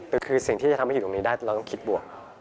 คือสิ่งที่จะทำให้อยู่ตรงนี้ได้เราต้องคิดบวก